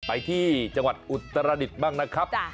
ไปที่จังหวัดอุตรดิษฐ์บ้างนะครับ